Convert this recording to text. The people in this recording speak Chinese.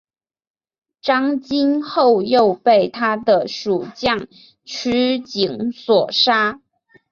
张津后又被他的属将区景所杀。